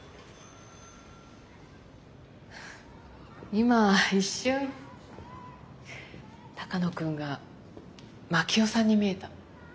今一瞬鷹野君が真樹夫さんに見えた。